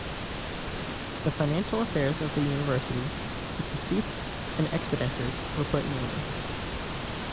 The financial affairs of the university, its receipts and expenditures, were put in order.